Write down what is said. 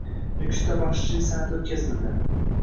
Nukusda baxshichilik sanʼati oʻtkaziidi.